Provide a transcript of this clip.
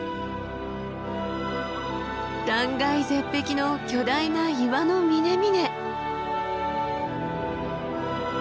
断崖絶壁の巨大な岩の峰々。